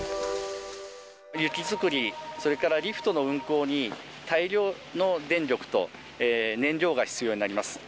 雪作り、それからリフトの運行に大量の電力と燃料が必要になります。